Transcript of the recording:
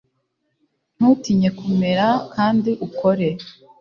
Ntutinye Komera kandi ukore